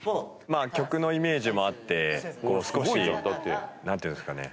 まあ曲のイメージもあって少しなんていうんですかね